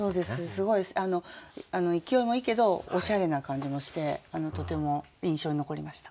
すごい勢いもいいけどおしゃれな感じもしてとても印象に残りました。